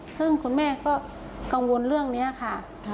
ซึ่งคุณแม่ก็กังวลเรื่องนี้ค่ะ